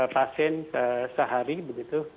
pasien sehari begitu